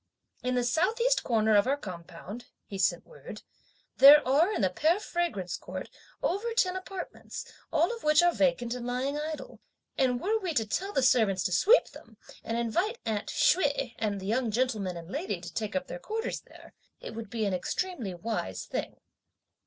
In the South east corner of our compound," (he sent word,) "there are in the Pear Fragrance Court, over ten apartments, all of which are vacant and lying idle; and were we to tell the servants to sweep them, and invite 'aunt' Hsüeh and the young gentleman and lady to take up their quarters there, it would be an extremely wise thing."